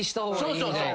そうそうそう。